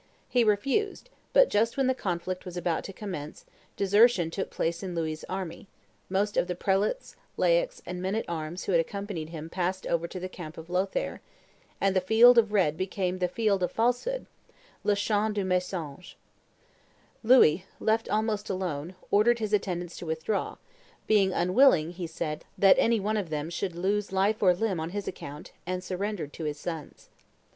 He refused; but, just when the conflict was about to commence, desertion took place in Louis's army; most of the prelates, laics, and men at arms who had accompanied him passed over to the camp of Lothaire; and the field of red became the field of falsehood (le Champ du mensonge). Louis, left almost alone, ordered his attendants to withdraw, "being unwilling," he said, "that any one of them should lose life or limb on his account," and surrendered to his sons.